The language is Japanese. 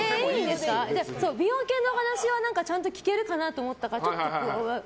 美容系のお話はちゃんと聞けるかなと思ったから。